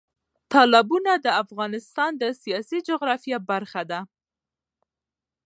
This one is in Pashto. تالابونه د افغانستان د سیاسي جغرافیه برخه ده.